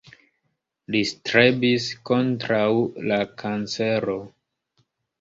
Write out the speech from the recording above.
Li strebis kontraŭ la kancero.